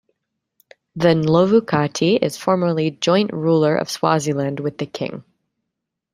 The Ndlovukati is formally joint ruler of Swaziland with the King.